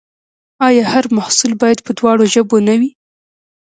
آیا هر محصول باید په دواړو ژبو نه وي؟